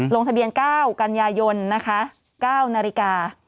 ลงทะเบียน๙กันยายนนะคะ๙นาฬิกา